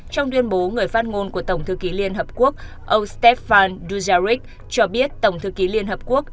trong tuyên bố người phát ngôn của tổng thư ký liên hợp quốc ông stefan duzaric cho biết tổng thư ký liên hợp quốc